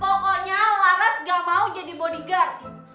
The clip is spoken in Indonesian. pokoknya laras gak mau jadi bodyguard